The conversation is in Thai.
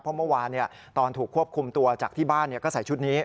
เพราะเมื่อวานตอนถูกควบคุมตัวจากที่บ้านก็ใส่ชุดนี้